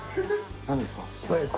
何ですか？